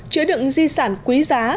chữa đựng di sản quý giá